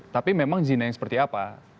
tapi memang zina yang seperti apa